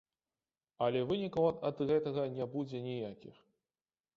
Але вынікаў ад гэтага не будзе ніякіх.